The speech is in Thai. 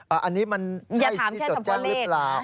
อันนี้มันใช่ที่จดจ้างหรือเปล่าอย่าถามแค่คำว่าเลข